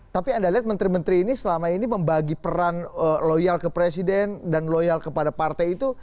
tapi anda lihat menteri menteri ini selama ini membagi peran loyal ke presiden dan loyal kepada partai itu